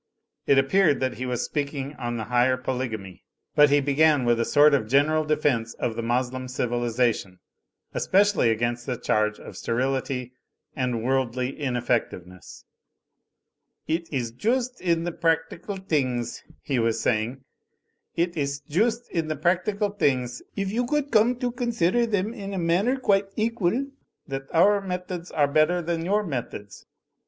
It ap peared that he was speaking on the higher Polygamy; but he began with a sort of general defence of the Moslem civilisation, especially against the charge of sterility and worldly ineffectiveness. "It iss joost in the practical tings,*' he was sa)ring, it iss joost in the practical tings, if you could come to consider them in a manner quite equal, that our meth ods are better than your methods.